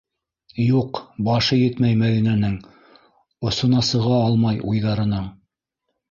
Юҡ, башы етмәй Мәҙинәнең, осона сыға алмай ул уйҙарының.